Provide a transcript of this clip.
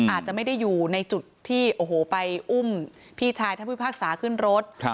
อาจจะไม่ได้อยู่ในจุดที่โอ้โหไปอุ้มพี่ชายท่านพิพากษาขึ้นรถ